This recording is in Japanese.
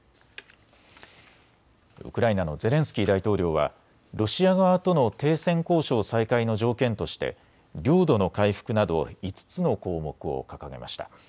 ウクライナのゼレンスキー大統領はロシア側との停戦交渉再開の条件として領土の回復など５つの項目を掲げました。